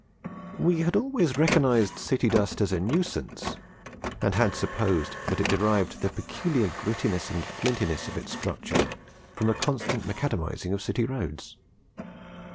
We had always recognised city dust as a nuisance, and had supposed that it derived the peculiar grittiness and flintiness of its structure from the constant macadamizing of city roads.